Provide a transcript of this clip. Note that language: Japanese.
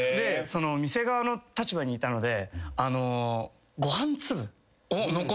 店側の立場にいたので。